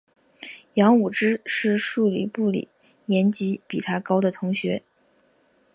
杨武之是数理部里年级比他高的同学。